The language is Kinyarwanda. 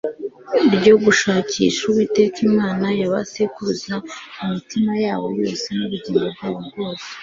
ryo gushakisha Uwiteka Imana ya ba sekuruza imitima yabo yose nubugingo bwabo bwose